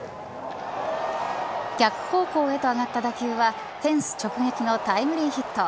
逆方向へと上がった打球はフェンス直撃のタイムリーヒット。